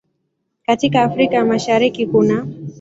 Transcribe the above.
Katika Afrika ya Mashariki kunaː